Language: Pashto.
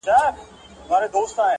الوتني کوي.